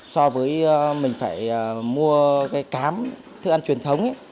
so với mình phải mua cái cám thức ăn truyền thống